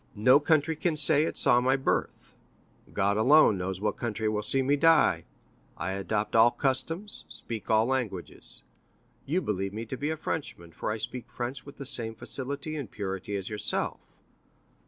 No country can say it saw my birth. God alone knows what country will see me die. I adopt all customs, speak all languages. You believe me to be a Frenchman, for I speak French with the same facility and purity as yourself.